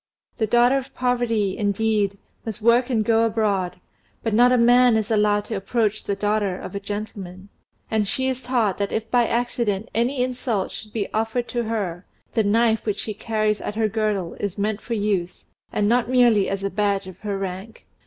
The daughter of poverty, indeed, must work and go abroad, but not a man is allowed to approach the daughter of a gentleman; and she is taught that if by accident any insult should be offered to her, the knife which she carries at her girdle is meant for use, and not merely as a badge of her rank.